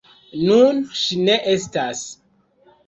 Nun ŝi ne estas.